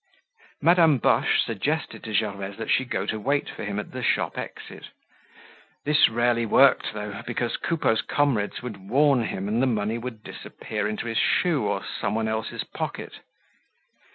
Madame Boche suggested to Gervaise that she go to wait for him at the shop exit. This rarely worked though, because Coupeau's comrades would warn him and the money would disappear into his shoe or someone else's pocket.